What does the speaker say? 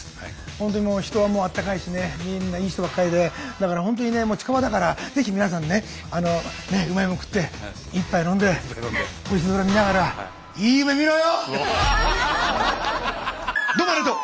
本当にもう人はあったかいしねみんないい人ばっかりでだから本当にね近場だからぜひ皆さんねうまいもの食って１杯飲んで星空見ながらどうもありがとう。